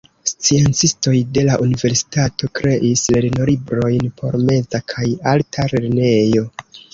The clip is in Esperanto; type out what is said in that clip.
Sciencistoj de la universitato kreis lernolibrojn por meza kaj alta lernejo.